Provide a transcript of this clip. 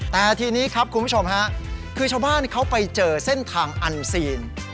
แต่ทีนี้ครับคุณผู้ชมฮะคือชาวบ้านเขาไปเจอเส้นทางอันซีน